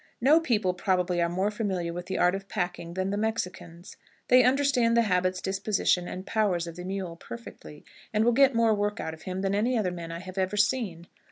No people, probably, are more familiar with the art of packing than the Mexicans. They understand the habits, disposition, and powers of the mule perfectly, and will get more work out of him than any other men I have ever seen.